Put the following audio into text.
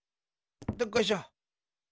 どっこいしょ！